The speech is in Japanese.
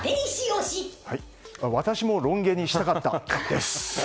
私もロン毛にしたかった、です。